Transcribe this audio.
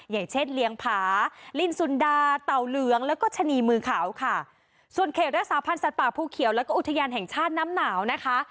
อย่างเช่นเลี้ยงผาลินสุนดาเต่าเหลืองแล้วก็ชะนีมือขาวค่ะส่วนเขตรักษาพันธ์สัตว์ป่าภูเขียวแล้วก็อุทยานแห่งชาติน้ำหนาวนะคะ